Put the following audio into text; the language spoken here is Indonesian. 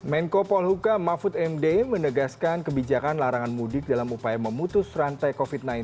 menko polhuka mahfud md menegaskan kebijakan larangan mudik dalam upaya memutus rantai covid sembilan belas